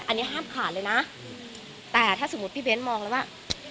อันนี้ห้ามขาดเลยนะแต่ถ้าสมมุติพี่เบ้นมองเลยว่า